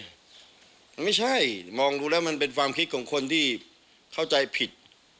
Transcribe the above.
มันไม่ใช่มองดูแล้วมันเป็นความคิดของคนที่เข้าใจผิด